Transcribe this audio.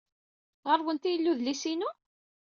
Ɣer-went ay yella udlis-inu?